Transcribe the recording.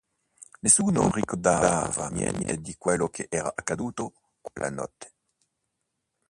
Nessuno ricordava niente di quello che era accaduto quella notte.